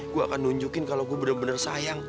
gue akan nunjukin kalau gue bener bener sayang